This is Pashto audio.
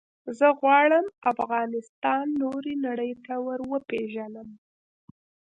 زه غواړم افغانستان نورې نړی ته وروپېژنم.